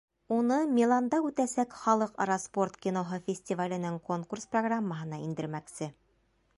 Уны Миланда үтәсәк Халыҡ-ара спорт киноһы фестиваленең конкурс программаһына индермәксе.